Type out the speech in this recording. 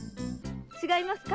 違いますか？